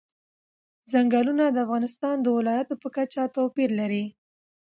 ځنګلونه د افغانستان د ولایاتو په کچه توپیر لري.